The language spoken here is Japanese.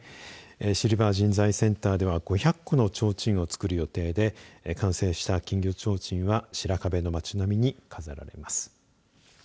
シルバー人材センターでは５００個のちょうちんをつくる予定で完成した金魚ちょうちんは白壁の町並みに飾られます。